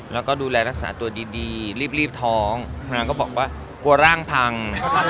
แล้วก็ดูแลรักษาตัวดีรีบท้องนางก็บอกว่ากลัวร่างพัง